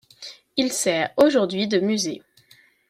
Il sert aujourd'hui de musée.